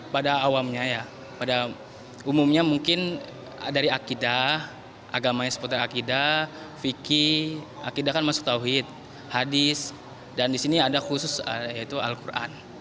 pada awamnya ya pada umumnya mungkin dari akidah agamanya seputar akidah fikih akidah kan masuk tauhid hadis dan di sini ada khusus yaitu al quran